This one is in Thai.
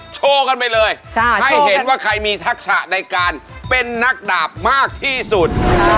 โชว์กันไปเลยให้เห็นว่าใครมีทักษะในการเป็นนักดาบมากที่สุด